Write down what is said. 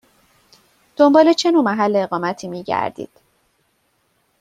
دنبال چه نوع محل اقامتی می گردید؟